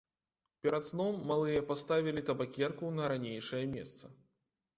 Перад сном малыя паставілі табакерку на ранейшае месца.